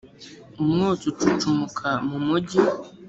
umwotsi ucucumuka mu mugi